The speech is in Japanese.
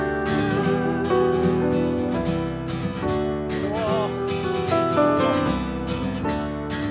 うわあ。